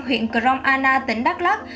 huyện crong anna tỉnh đắk lắc